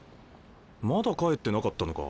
まだ帰ってなかったのか。